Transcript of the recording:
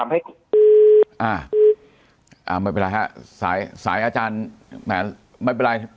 ไหนคำให้อ้าวไม่เป็นไรค่ะสายสายอาจารย์ไม่เป็นไร